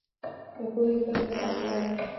د پوهې زده کړه د عقل لاره ده.